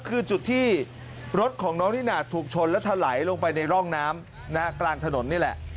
คือจุดที่รถของน้องนิน่าถูกชนและถลายลงไปในร่องน้ำกลางถนนนี่แหละ